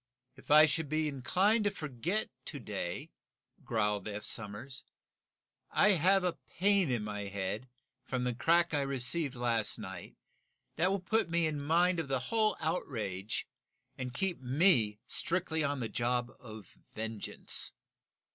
"If I should be inclined to forget to day," growled Eph Somers, "I have a pain in my head, from a crack I received last night, that will put me in mind of the whole outrage, and keep me strictly on the job of vengeance!"